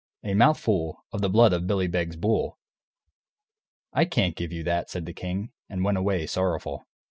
"A mouthful of the blood of Billy Beg's bull." "I can't give you that," said the king, and went away, sorrowful.